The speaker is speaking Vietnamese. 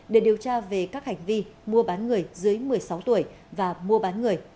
để điều tra về các hành vi mua bán người dưới một mươi sáu tuổi và mua bán người